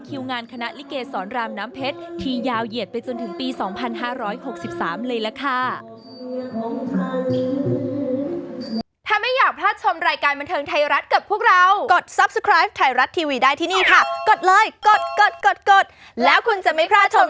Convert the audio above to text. งานคณะลิเกสรรามน้ำเพชรที่ยาวเหยียดไปจนถึงปี๒๕๖๓เลยล่ะค่ะ